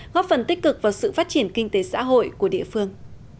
góp phần tích cực vào sự phát triển kinh tế xã hội của địa phương